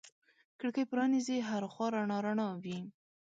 کړکۍ پرانیزې هر خوا رڼا رڼا وي